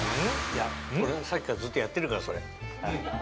俺さっきからずっとやってるからそれ。